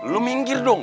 lu minggir dong